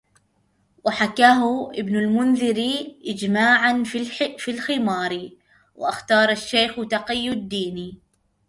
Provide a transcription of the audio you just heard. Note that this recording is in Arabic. وَحَكَاهُ ابْنُ الْمُنْذِرِ إجْمَاعًا فِي الْخِمَارِ وَاخْتَارَ الشَّيْخُ تَقِيُّ الدِّينِ